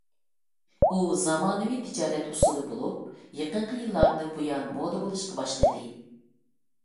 ئۇ زامانىۋى تىجارەت ئۇسۇلى بولۇپ، يېقىنقى يىللاردىن بۇيان مودا بولۇشقا باشلىدى.